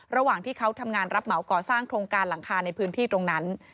ระหว่างที่เขาทำงานรับเหมาก่อสร้างโครงการหลังคาในพื้นที่ตรงนั้น